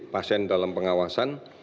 pasien dalam pengawasan